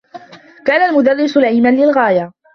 كان المدرّس لئيما للغاية.